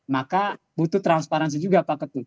maka butuh transparansi juga pak ketut